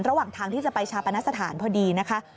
ระหว่างทางที่จะไปชาปนสถานพอดีนะคะ